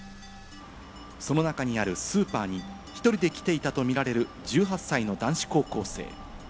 その中にあるスーパーに１人で来ていたとみられる１８歳の男子高校生。